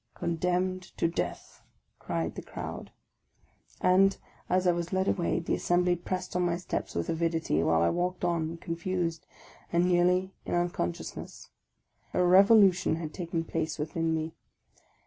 "Condemned to death!" cried the crowd; and as I was led away the assembly pressed on my steps with avidity, while I walked on, confused, and nearly in unconsciousness. A revolution had taken place within me.